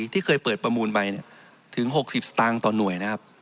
ที่เคยเปิดประมูลไปถึง๖๐สตางค์ต่อหน่วยนะครับ